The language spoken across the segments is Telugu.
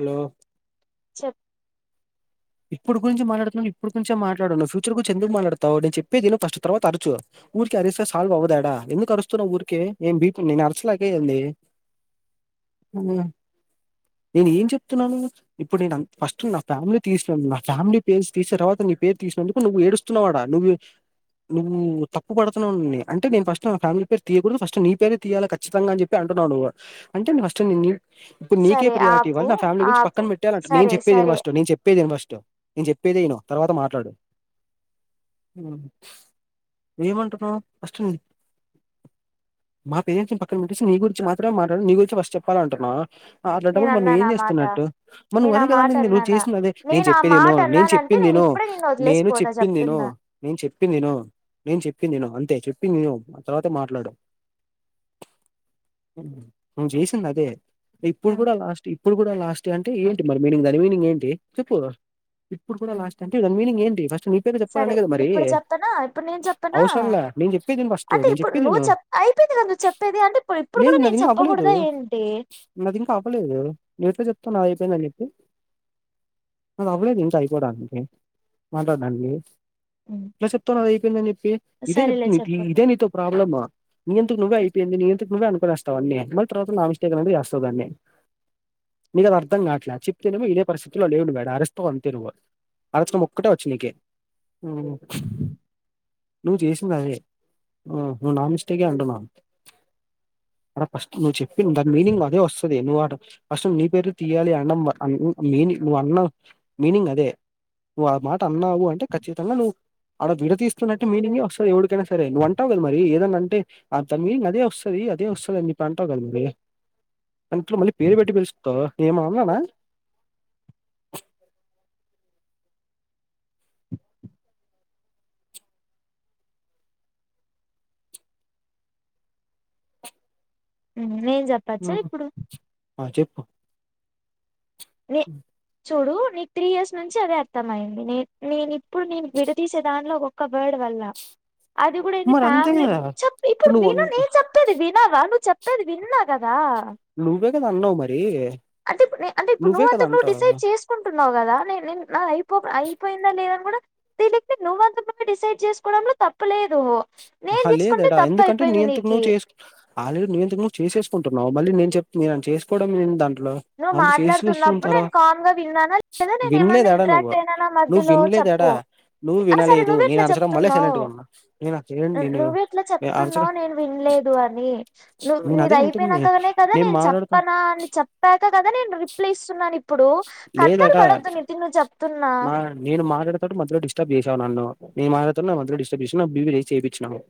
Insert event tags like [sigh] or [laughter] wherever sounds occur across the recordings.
హలో చెప్ ఇప్పుడు గురించి మాట్లాడుతున్నాను ఇప్పుడు గురించే మాట్లాడు ఫ్యూచర్ గురించి ఎందుకు మాట్లాడతావ్ నేను చెప్పేదిను ఫస్ట్ తర్వాత అరుచు ఊరికి అరస్తే సాల్వ్ అవదాడా ఎందుకు అరుస్తున్నావు ఊరికే బీపి నేను అరచలేక ఏంది నేను ఏం చెప్తున్నాను ఇప్పుడు అం నేను ఫస్ట్ నా ఫ్యామిలీ తీసిన నా ఫ్యామిలీ పేరు తీసిన తర్వాత నీ పేరు తీసినందుకు నువ్వు ఏడుస్తున్నావాడు నువ్వు నువ్వు తప్పు పడుతున్నావు అంటే నన్నీ ఫస్ట్ నా ఫ్యామిలీ పేరు తీయకూడదు ఫస్ట్ నీ పేరే తీయాలి కచ్చితంగాని చెప్పి అంటున్నావ్ నువ్వు అంటే నె ఫస్ట్ నేన్ నీ ఇప్పుడుకే సరే ఆపు ప్రిారిటీవ్వళ నా ఫ్యామిలీ గుంచి ఆపు పక్కన పెట్టాలంట నే సరే చెప్పేది సరే ఫస్ట్ నను చెప్పే చెప్పేది ఫస్ట్ నేను చెప్పేది నేను తర్వాత మాట్లాడు ఏమంటున్నావు ఫస్ట్ మా పేర పక్కన పెట్టేసి నీ గురించి మాత్రమే మాట్లాడు నీ గురించి ఫస్ట్ చెప్పాలంటున్నావు నేను అట్లాంటపుడు మరి ను అన్నాను ఏం ఆ మాట చేస్తున్నట్టు మరి నువ్ నేను ఆ అదే కదా మాట నువ్వు అన్నానా చేసిందదే నేను ఆ చెప్పేదిను మాట నేను అన్నానంటే చెప్పింది నేను ఇప్పుడే నిన్ను నేను వదిలేసిపోతా చెప్పింది నేను చెప్తున్నా నేను చెప్పిందిను నేను చెప్పిందిను అంతే చెప్పింది ను ఆ తర్వాతే మాట్లాడు హు చేసిందదే ఇప్పుడు ఉమ్, కూడా లాస్ట్ ఇప్పుడు కూడా లాస్ట్ అంటే ఏంటి మరి మీనింగ్ దాని మీనింగ్ ఏంటి చెప్పుర్ ఇప్పుడు కూడా ఉమ్, లాస్ట్ అంటే దాని మీనింగ్ ఏంటి ఫస్ట్ నీ పేరు సరే చెప్పాలనే కదా మరి ఇప్పుడు చెప్పనా ఇప్పుడు నేను చెప్పనా అవసరంలా నేను చెప్పేదిను ఫస్ట్ అంటే నేను ఇప్పుడు నువ్వు చెప్పేదిను చెప్ అయిపోయింది కదా నువ్వు చెప్పేది అంటే ఇప్పుడు ఇప్పుడు లేదు కూడా నేను నాది ఇంకా అవ్వలేదు చెప్పకూడదా ఏంటి నాది ఇంకా అవ్వలేదు నేతే చెప్తాను చనగితే అది అవ్వలేదు ఇంకా అయిపోడానికి మాట్లాడడానికి ఉమ్, ఎలా చెప్తానవ్ అది అయిపోయిందని చెప్పి ఇదే చెప్ సరేలే నీ చెప్పు ఇదే నీతో ప్రాబ్లము నీ అంతకు నువ్వే అయిపోయింది నీ అంతట నువ్వే అను అన్నీ మళ్ళీ తర్వాత నా మిస్టేక్ అనైతె చేస్తావ్ దాన్ని నీకది అర్థం కాట్లే చెప్తేనెమో ఇనే పరిస్థితిలో లేవు నువ్వీడ అరిస్తవ్ అంతే నువ్వు అరచడం ఒక్కటే వచ్చి నీకే హూ నువ్వు చేసిందదే హా నువు నా మిస్టేకే అంటున్నావ్ అడ ఫస్ట్ నువ్వు చెప్పింది దాని మీనింగ్ అదే వస్తది నువ్వు ఫస్ట్ నీ పేరు తీయాలి అనడం మీనింగ్ నువ్వు అన్నావు మీనింగ్ అదే నువ్వు ఆ మాట అన్నావు అంటే ఖచ్చితంగా నువ్వు ఆడ విడతస్తున్నట్ే మీనింగే వస్తుంది ఎవడికైనా సరే నువ్వు అంటావు కదా మరి ఏదన్నా అంటే తన మీనింగ్ అదే వస్తుంది అదే వస్తుంది నీ అంటావు కదా మరి అట్లో మళ్ళీ పేరు పెట్టి పిలుస్తందవు న ఏమ అన్నానా న చెప్పచ్చా హ్మ్. ఇప్పుడు ఆ చెప్పు న చూడ నీకు త్రీ ఇయర్స్ నుంచి అదే అర్థమైంది నీక్ ఇప్పుడు నేను విడ తీసే దానిలో ఒక ఒక్క బర్డ్ వల్ల అది కూడా ఇది మరి అంతే ఫ్యామిలీ కదా ఇప్పుడు విను నేను చెప్పేది న్నాగా నువ్వు చెప్పేది విన్నా కదా గా అన్నవ్ మరి అంటే ఇప్పు అంటే ఇప్పుడు నువ్వే నువ్వు కదా అంతకు నువ్వు అంటావు డిసైడ్ చేసుకుంటున్నావు కదా నేనుే నా అయిపో అయిపోయిందా లేదని కూడా దీనికి నువ్వంత డిసైడ్ చేసుకోవడంలో తప్పులేదు నేను ఆహా తీసుకుంటే లేదడా తప్పు ఎందుకంటే అయిపోయింది నియంతట నీకి నువ్ చే ఆల్రెడీ నియంతట నువ్ చేసేసుకుంటున్నావు మళ్ళీ నేను చెప్ని చేసుకోవడం దాన్ని నువ్వు మాట్లాడుతున్నప్పుడు నేను కాన్ గా విన్నానా లేదా నేను ఏమన్నా వినలేదేడా నువ్వు ఇంట్రాక్ట్ అయినానా నువ్వు మధ్యలో చెప్పు వినలేదాడా నువ్వు ఆ సరే వినలేదు నువ్్వ నేను ఎట్లా అరచడం వల్లే చెప్తున్నావు్ సైలెంట్గా ఉన్నా నేను అసలు నేను నువ్వెట్లా చెప్తున్నావ్ అరచడం నేను విన్లేదు అని నువ్ నేను అదే అంటుంది నీదయిపోయినంకనే కదా నేను చెప్పనా అని చెప్ ప్యాకా కదా నేను రిప్లేస్తున్నాను ఇప్పుడు కట్టలు లేదట పడొద్దు న తి ను చెప్తున్నా బట్టి మద్యలో డిస్టర్బ్ చేసావు నన్ను [inaudible]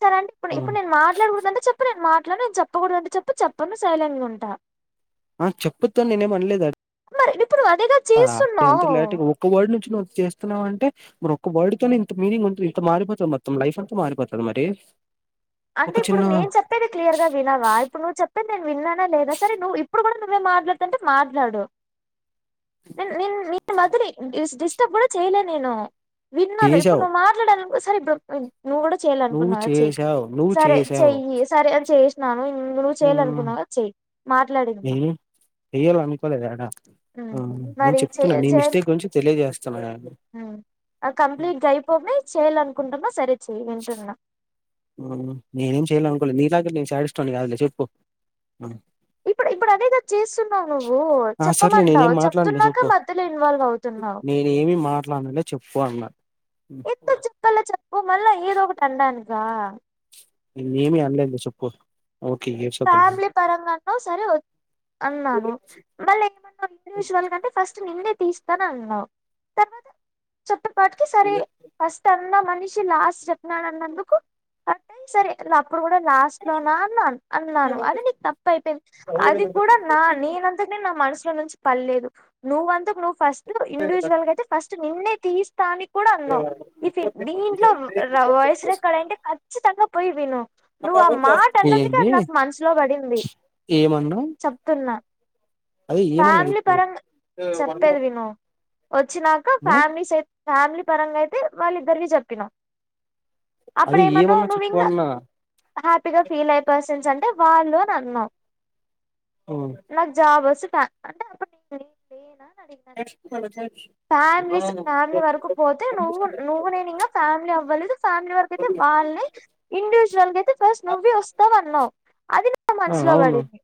సరే అంటే ఇప్పుడు ఇప్పుడు నేన్ మాట్లాడకూడదంటె చెప్పు నేను మాట్లాడ్ను నేన్ చెప్పకూడదంటె చెప్పు చెప్పను సైలెంట్గుటా ఆ చెప్పద్దన్ నేనేం అనలేద్ మరి ఇప్పుడు అదేగా చేస్తున్నావు ఒక్క వర్డ్ నుంచి చేస్తున్నావంటే మరి ఒక్క వర్డ్ తోనే ఇంత మీనింగ్ ఉంటది ఇంత మారిపోతది మొత్తం లైఫ్ అంతా మారిపోతది మరి ఒక అంటే ఇప్పుడు చిన్న నేను చెప్పేది క్లియర్గా వినవా ఇప్పుడు నువ్వు చెప్పేది నేను విన్నానా లేదా సరే నువ్వు ఇప్పుడు గుడ మాట్లాతంటే మాట్లాడు నిన్ నిన్ మద్యలో డిస్టర్బ్ గుడా చేయలే నేను విన్నాను ఇప్పుడు చేసావు నువ్వు మాట్లాడాలనుకో సరే బ్రో నువ్వు చేసావు నువ్ సరే చెయ్యి సరే చేసినాను నువ్వు చేయలె అనుకున్నావ్గా చేయి మాట్లాదిందా నేను చెయ్యాలనుకోలేదాడా హ్ ఆ! నేను మరి చెప్తున్నా చేయ నీ మిస్టేక్ గురించి తెలియజేస్తున్నా నేను. హ్ కంప్లీట్గా అయిపోని చేయాలనుకుంటున్న సరే చెయ్ వింటున్నా హ్మ్. నేనేం చేయలె అనుకోలె నీ లాగా నేన్ శాడిస్ట్ కాదులే చెప్పు ఆ ఇప్పుడ్ ఇప్పుడదే కదా చేస్తున్నావు నువ్వు ఆ! సర్లే నేనేం చెప్పమంటావు మాట్లాడలే చెప్తున్నాక చెప్పు మధ్యలో ఇన్వాల్వ్ అవుతున్నావ్. అట్ల అన్లే చెప్పుకో అన్నా హ్మ్. ఊ మళ్ళ ఏదో ఒకట్టండానికా నిన్నేమి అన్లేదు చెప్పు ఓకే ఏడ్చొద్దు ఫ్యామిలీ పరంగా అన్నావ్ సరే అన్నాను మళ్ళీ ఏమన్నావు ఇండివిజువల్గాంటే ఫస్ట్ నిన్నే తీస్తాను అన్నావు తర్వాత చ వాటికి సరే ఫస్ట్ మనిషి లాస్ట్ చెప్పినాడు అన్నందుకు అంటే సరే ఇప్పుడు గూడా లాస్ట్లో నా అన్న్ న్నాను. అది నీక్ తప్పయిపోయింది అది కూడా నా నేనంతక్ నేన్ మనసులో నుంచి పల్లేదు నువ్వంతకు నువ్వు ఫస్ట్ ఇండివిజువల్గాయితే ఫస్ట్ నిన్నే తీస్తానిక్ కూడన్నావ్ ఇది దీంట్లో ర వాయిస్ రెక్కార్డ్ అంటే ఖచ్చితంగా పోయి విను నువ్ ఆ మాట అన్నందుకె ఏంది స్లో పడింది ఏమన్నా చెప్తు అదే ఏమన్నా ఫ్యామిలీ చెప్పు పరంగా చెప్పేది విను వచ్చినాక ఆ! ఫ్యామిలీ సై ఫ్యామిలీ పరంగా అయితే వాళ్ళ ఇద్దరివి చెప్పినాం అదే ఏమన్నా అప్పుడేమన్నవ్ నువ్ చెప్పు ఇంగా అన్నా హ్యాపీగా ఫీల్ అయిత అంటే వాళ్ళు నన్నావ్ హ్మ్. నాకు జాబ్ అంట అడునా ఫ్యామిలీస్ ఫ్యామిలీ వరకు పోతే నువ్వు నువ్వు నేను ఇంకా ఫ్యామిలీ అవ్వలేదు ఫ్యామిలీ వరకు అయితే వాళ్ళని ఇండివిజువల్ అయితే ఫస్ట్ నువ్వి వస్తావు అది నా ఆ మనసులో అవును పడింది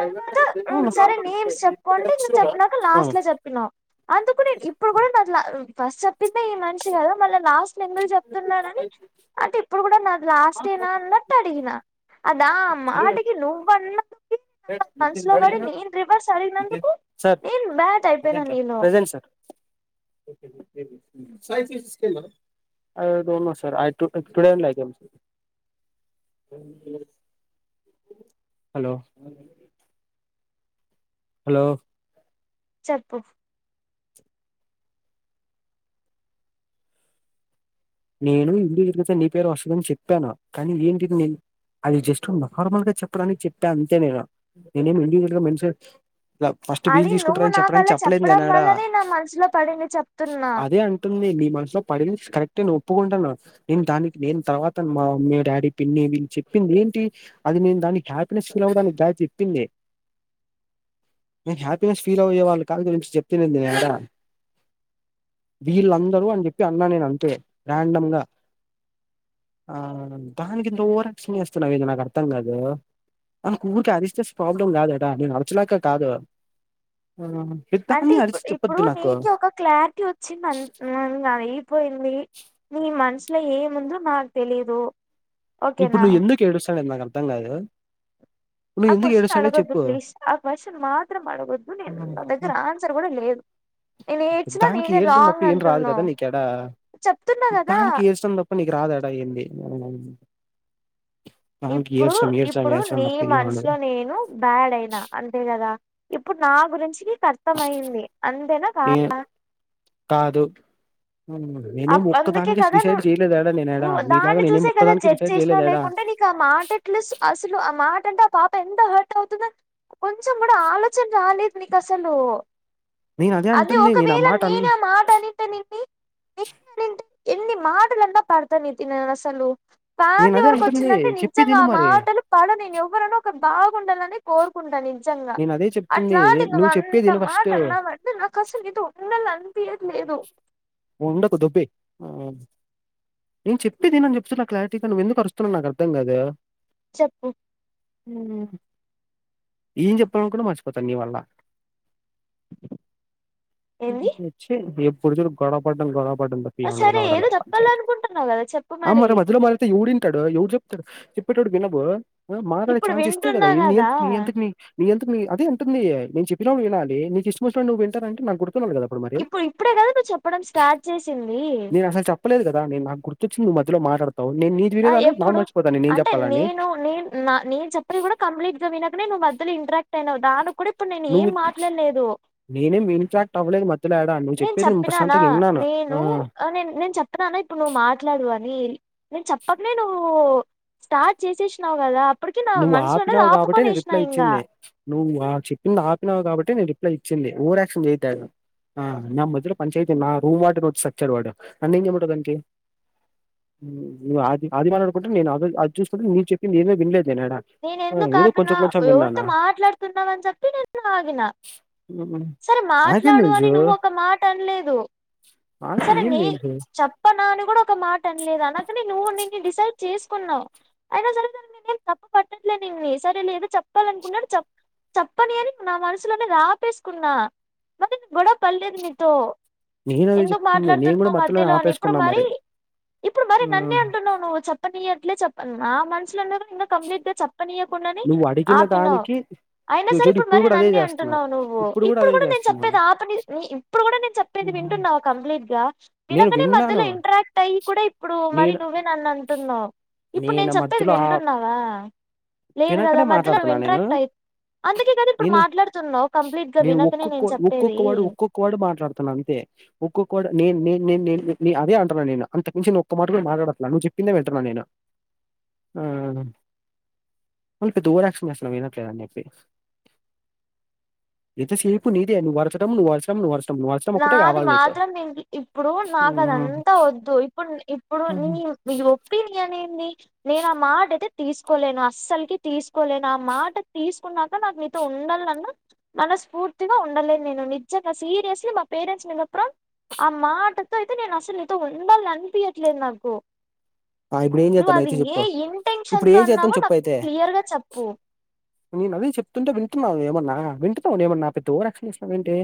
తర్వాత ఒకసారి నేమ్ చెప్పుకోంటే నను చెప్పినాక ఆ! లాస్ట్ లో చెప్పినావు అందుకు నేను ఇప్పుడు కూడా నాదిలా ఫస్ట్ చెప్పిందిే ఈ మనిషి కదా మళ్ లాస్ట్ మెమరీ చెప్తున్నాడని అంటే ఇప్పుడు కూడా నా లాస్ట్నాన్నట్ అడిగిన అదా మాటికి నువ్వున్న ని ని అడిగినందుకు సార్ నేను బ్యాట్ అయిపోయినా స నీలో ప్రజెట్ సార్ సై చ హ సార్డ హలో హలో చెప్పు నేను ఇండివిజువల్గా నీ పేరు వస్తుందని చెప్పాను కానీ ఏంటిది నేను అది జస్ట్ నార్మల్ గా చెప్పడానికి చెప్పా అంతే నేను నేనేమి ఇంవిజువల్ గా మెన్షన్ ఇలా ఫస్ట్ వీలు అది నువ్వు తీసుకుంటారని చెప్పడానికి నాకల్లా చెప్పలేదు చెప్పడం నేనాడా వల్లనే నా మనసులో పడింది చెప్తున్నా మ పడి కెక్ అంటేే ఒప్పుకుంటాను నేను దానికి నేను తర్వాత మా మమ్మీ డాడీ పిన్ని వీళ్ళు చెప్పింది ఏంటి అది నేను దాని హ్యాపీనెస్ ఫీల్ అవడానికి ద చెప్పింది నేను హ్యాపీనెస్ ఫీల్ అవ్యే వాళ్ళు కాదు గురి చెప్త నే వీళ్ళు అందరు అని చెప్పి అన్నా నేను అంతే రాయాండమ్గా ఆ దానికి ఎంత రక్షణ చేస్తున్నా ఇది నాకు అర్థం కాదు ఆ ఊరికి అరిస్తే ప్రాబ్లం కాదట నేను అరచలేక కాదు ఆ అంటే పెద్దాన్ని ఇప్పుడు అరిచి ఇప్పుడు చెప్పొద్దు నాకు నీకి ఒక క్లారిటీ వచ్చి మ అ పోయింది నీ మన్ ఇట్లా ఏముందో నాకు తెలీదు ఇప్పుడు ఓకేనా నువ్ ఎందుకుడుస్తా ఎంద అర్థంగదు ఆ క్వశ్చన్ అడగొద్దు ప్లీజ్ ఆ క్వశ్చన్ మాత్రం అడగొద్దు నేను ఉమ్. నా దగ్గర ఆన్సర్ కూడా లేదు నేను ఏడ్చినా దానికి నేనే ఏడ్చడం తప్ప రాంగ్ ఏం రాదు కదా అంటున్నావ్ నీకాడా చెప్తున్నా కదా దానికి ఏడ్చడం తప్ప నీకు రాదాడా ఏంది ఊ ఇప్పుడు ఏడ్చడం ఇప్పుడు ఏడ్చడం నీ తప్ప ఏం ఉండదు మనసులో నేను బ్యాడ్ అయినా అంతే గదా ఇప్పుడు నా గురించి కర్థమయింది అంతేనా కా ఏం కాదు నేనేం అప్ అందుకే ఒక్కదానికే కదా డిసైడ్ నువ్వు చేయలేదాడా నేనేడా నువ్వు నీలాగా దాన్ని నేనేం చూసే కదా ఒక్కదానికే జడ్జ్ డిసైడ్ చేసినావ్ చేయలేదాడా లేకుంటే నీకు ఆ మాటలు అసలు ఆ మాట ఎంతుంటే ఆ పాప ఎంత హర్ట్ అవుతుంద కొంచెం కూడా ఆలోచన రాలేదు నీకు అసలు నేను అదే అంటుంది నేను ఆ ఒకవేళ మాట అన్ నేనే ఆ మాట అనింటె నిన్ని నేనంటే ఎన్ని మాటలన్న పెడతా నితిన్ నేన్ అస్సలు నేను ఫ్యామిలీ అదే వరకు అంటుంది వచ్చిందంటే నిజంగా చెప్పేదిను ఆ మరి మాటలు పడ నేను ఎవరన ఒక బాగుండాలని కోరుకుంట జంగా నేను అదే చెప్తుంది అట్లాంటిది నువ్వు అంత చెప్పేదిను మాట ఫస్ట్ అన్నావంటే నాకు అసలు నీతో ఉండాలన్ తినట్లేదు ఉండకు దొబ్బెయ్ హ్మ్ నేను చెప్పేది విను అని చెప్తున్న క్లారిటీగా నువ్వు ఎందుకు అరుస్తున్నాను నాకు అర్ధం కాదు చెప్పు హ్మ్ హు ఏం చెప్పాల అనుకున్న కూడా మర్చిపోతా నీ వల్ల ఏంది చ్చే ఏ ఎప్పుడూ చూడు గొడవ పడ్డం గొడవ పడ్డం తప్ప ఆ, ఏం సరే ఉండదు ఏదో [unintelligible] పంచాయితీ చెప్పాలనుకుంటున్నావు కదా చెప్పు ఆ మరి మధ్యలో మాట్లాడితే ఎవ్వుడు ఇన్ ప్తాడు ఎవడు చెప్తాడు చెప్పేటప్పుడు వినవు [unintelligible] మాటడే ఇప్పుడు ఛాన్స్ ఇస్తే కదా వింటున్నా ఎన్నీ ఏం నీ అంతకు నీ నీ అంతక్ నీ అదే అంటుంది నే చెప్పినప్పుడు వినాలి నీకు ఇష్టంచ్చినడు నువ్వు వింటానంటే నా గుర్ [unintelligible] కదా అప్పుడు మరి ఇప్పుడు ఇప్పుడే కదా నువ్వు చెప్పడం స్టార్ట్ చేసింది నేను అసలు చెప్పలేదు కదా నేను నాకు గుర్తొచ్చిందివ్ మా ధ్యలో మాట్లాడదు ఆ ఎప్పుడు అంటే చెప్పాలని. నేను నేను నా నేను చెప్పది కూడా కంప్లీట్ గా విన కానీ నువ్ మధ్యలో ఇంటరాక్ట్ అయినావు దానికి కూడా ఇప్పుడు నేను ఏం నువ్వు మాట్లాడలేదు నేనేం ఇన్ఫాక్ట్ అవ్వలేదు మద్యలో యాడ్ నెను చెప్పినానా నేను నె నేను చెప్పిననా ఇప్పుడు నువ్వు మాట్లాడు అని నేను చెప్పకనే నువ్వు స్టార్ట్ చేసేసినావు్ కదా అప్పటికి నా నువ్వు మనసులోనేది ఆపినావు కాబట్టి నేను ఆపుకొనేసినా రిప్లై ఇంగా ఇచ్చింది నువ్వు ఆ చెప్పింది ఆపినావు కాబట్టి నేను రిప్లై ఇచ్చింది ఓవర్క్షన్ చెయ్యదు యాడ ఆ నా మధ్యలో పంచయతీ నా రూమ్ వాటిని వచ్చిచ్చాడు వాడు నన్ను ఏం చెమంటాదంట్ది ఆదిమా అడుకుంటే నేను అద అది చూస్తుకుంటే నీను చెప్పింది నేమ వినలేదు తినాడు నేను ఎందుకు ఆపిన ఎవరితో మాట్లాడుతున్నావ అని చెప్పి నేన్న ఆగిన ఉమ్, సరే నాకేం మాట్లాడు అని తెలుసు నువ్వు ఒక మాట అనలేదు నాకు సరే ఏం నీ తెలుసు చేప్పనాని కూడా మాట అనలేదు అనకని నువ్వు నే డిసైడ్ చేసుకున్నావు అయినా సరే సరే నేనేేం తప్ప పట్టట్లేదు నిన్నీ సరే లేదో చెప్పాలనుకున్నాడు చెప్పని అని నా మనసులోనే అది ఆపేసుకున్నా మరి గొడవ పడలేదు నీతో నేను అదే ఎందుకు చెప్తుంది. నేను కూడా మాట్లాడుతున్నావు మధ్యలోనే మధ్యలో అని ఇప్పుడు ఆపేసుకున్నా మరి ఇప్పుడు మరి ఆ నన్నే అంటున్నావు నువ్వు చెప్పనియట్లే చెప్ప నా మనసులు అన్న ఇంకా కంప్లీట్గా చెప్ప పనియ్వకుండా అని నువ్వు అడిగిన ఆపినావు దానికి అయినా నువ్వు సరే చూడు ఇప్పుడు మర కూడా అదే అన్నీ చేస్తున్నావు అంటున్నావు నువ్వు ఇప్పుడు అదే కూడా నేను చేస్తున్నావు చెప్పేది ఆ పని ఇప్పుడు కూడా నేను చెప్పేది వింటున్నావ గా నేను వినకనే విన్నాను మధ్యలో ఇంటరాక్ట్ అయ్యి కూడా ఇప్పుడు మరి నేను నువ్వే నన్ను అంటున్నావు ఇప్పుడు నేను చెప్పేది మధ్యలో ఆ వింటున్నావా లేదు కదా వినకనే మధ్యలో మాట్లాడుతున్నా నేను ఇంట్రాక్ట్ అయి అందుకే కదా ఇప్పుడు నేను మాట్లాడుతున్నావు కంప్లీట్ గా వినకనే ఒక్కొక్క నేను చెప్పేది ఒక్కొక్క ఒక్కోక్క వర్డ్ నేను నే నేను అదేఅంటున్నా నేను అంతకు మించి న ఒక్క మాట కూడా మాట్లాడకు నువ్వు చెప్పిందే వింటున్నా నేను మల్ల పెద్ద ఓవర్ యాక్షన్ చేస్తన్నా వినట్లేదుని చెప్పి ఎంత సేపు నీదే నువ్వు అరచడం నువ్వు అరచడం నువ్వు అరచ్ నాది మాత్రం నే ఇప్పుడు నాకు అదంతా వద్దు ఇప్పుడు ఇప్పుడు నీ నీ ఒపీనియన్ ఏంది నేను ఆ మాట అయితే తీసుకోలేను అస్సలుకి తీసుకోలేను ఆ మాట తీసుకున్నాక నాకు మీతో ఉండాల అన్న మనస్ఫూర్తిగా ఉండలేను నేను నిజంగా సీరియస్ మా పేరెంట్స్ మీద ప్రాం ఆ మాటతో అయితే నేను అసలు నీతో ఉండాలని అనిపియట్లేదు నాకు ఇప్పుడు ఏం నువ్ చేద్దాం అది అయితే ఏ చెప్పు ఇంటెన్షన్ ఇప్పుడు తో ఏం చేద్దాం అన్నావో చెప్పు నాకు అయితే క్లియర్గా చెప్పు నేను అది చెప్తుంటే వింటున్నావ ఏమన్నా వింటున్నావ ఏమన్నా పెద్ద ఓవర్ యాక్షన్ చేస్తున్నావ్ ఏంటి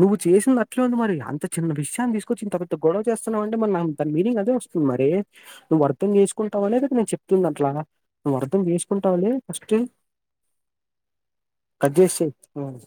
నువ్వు చేసింది అట్లే ఉంది మరి అంత చిన్న విషయాన్ని తీసుకొచ్చి ఇంత పెద్ద గొడవ చేస్తున్నావంటే మరి తన మీనింగ్ అదే వస్తుంది మరి నువ్వు అర్థం చేసుకుంటావనే నేను చెప్తుంది అట్లా నువ్వు అర్థం చేసుకుంటావలే ఫస్ట్ కట్ చేసి చేయి